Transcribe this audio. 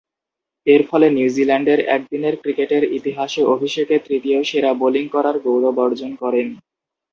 এরফলে নিউজিল্যান্ডের একদিনের ক্রিকেটের ইতিহাসে অভিষেকে তৃতীয় সেরা বোলিং করার গৌরব অর্জন করেন।